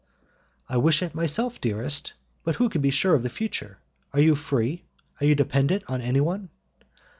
"I wish it myself, dearest, but who can be sure of the future? Are you free? Are you dependent on anyone?"